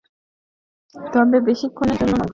তবে বেশিক্ষণের জন্য না।